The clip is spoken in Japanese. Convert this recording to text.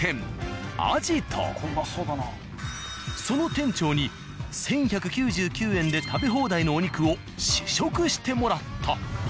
その店長に１１９９円で食べ放題のお肉を試食してもらった。